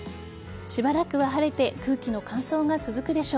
しばらくは晴れて空気の乾燥が続くでしょう。